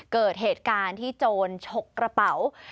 เกิดเหตุการณ์ที่โจรฉกกระเป๋า